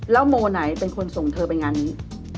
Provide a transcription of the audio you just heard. แล้วโมไหนเป็นคนส่งเธอไปงานนี้